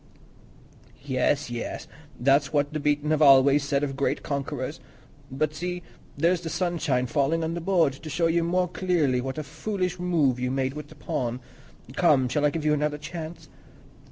"Yes, yes, that's what the beaten have always said of great conquerors. But see, there's the sunshine falling on the board, to show you more clearly what a foolish move you made with that pawn. Come, shall I give you another chance?"